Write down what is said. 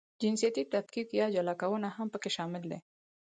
جنسیتي تفکیک یا جلاکونه هم پکې شامل دي.